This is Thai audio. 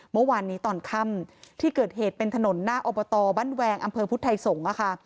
เมื่อวานนี้ตอนค่ำที่เกิดเหตุเป็นถนนหน้าอบตบ้านแวงอำเภอพุทธไทยสงฆ์ค่ะ